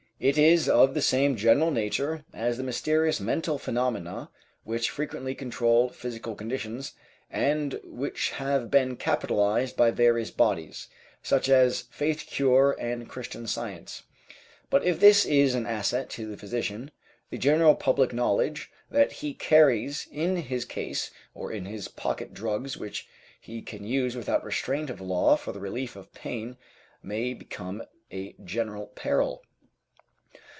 It is of the same general nature as the mysterious mental phenomena which frequently control physical conditions, and which have been capitalized by various bodies, such as Faith Cure and Christian Science; but if this is an asset to the physician, the general public knowledge that he carries in his case or in his pocket drugs which he can use without restraint of law for the relief of pain may become a general peril.